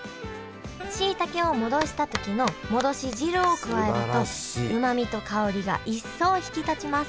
しいたけを戻した時の戻し汁を加えるとうまみと香りが一層引き立ちます